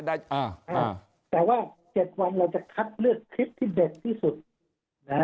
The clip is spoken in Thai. อ่าฮะแต่ว่าเจ็ดวันเราจะคัดเลือกคลิปที่เด็ดที่สุดนะฮะ